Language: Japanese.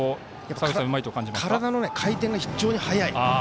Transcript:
体の回転が非常に速い。